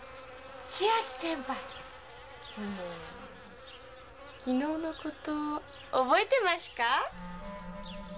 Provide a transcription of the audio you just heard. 「千秋先輩」「昨日のこと覚えてましゅか？」